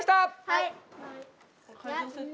はい！